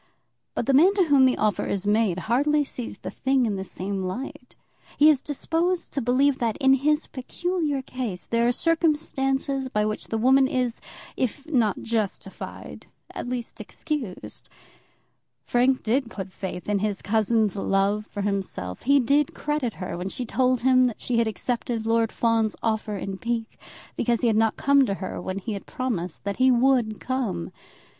But the man to whom the offer is made hardly sees the thing in the same light. He is disposed to believe that, in his peculiar case, there are circumstances by which the woman is, if not justified, at least excused. Frank did put faith in his cousin's love for himself. He did credit her when she told him that she had accepted Lord Fawn's offer in pique, because he had not come to her when he had promised that he would come.